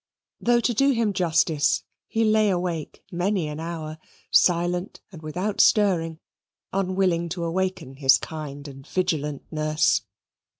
Though, to do him justice, he lay awake many an hour, silent and without stirring, unwilling to awaken his kind and vigilant nurse.